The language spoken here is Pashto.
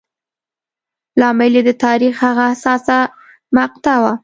لامل یې د تاریخ هغه حساسه مقطعه وه.